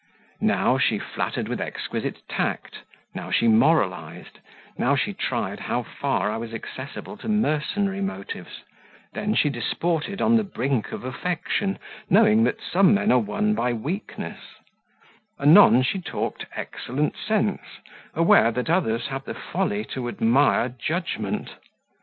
Now she flattered with exquisite tact, now she moralized, now she tried how far I was accessible to mercenary motives, then she disported on the brink of affection knowing that some men are won by weakness anon, she talked excellent sense, aware that others have the folly to admire judgment.